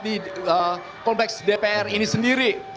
di kompleks dpr ini sendiri